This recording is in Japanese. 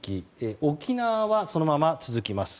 沖縄はそのまま続きます。